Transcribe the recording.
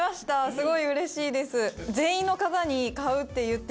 すごいうれしいです。